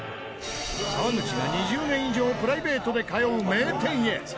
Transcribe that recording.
沢口が２０年以上プライベートで通う名店へ